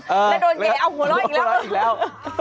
แล้วโดนเก๋เอาหัวเล่าอีกแล้ว